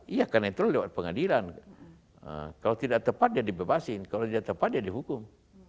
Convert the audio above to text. iya karena itu lewat pengadilan kalau tidak tepat ya dibebasin kalau dia tepat ya dihukum